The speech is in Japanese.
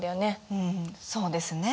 うんそうですね。